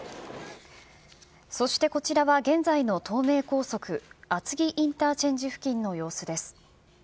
そしてこちらは現在の東名高速厚木インターチェンジ付近の様子です。